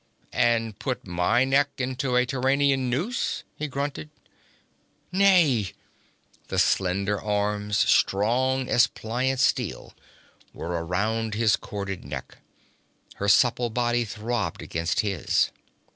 'And put my neck into a Turanian noose?' he grunted. 'Nay!' The slender arms, strong as pliant steel, were around his corded neck. Her supple body throbbed against his.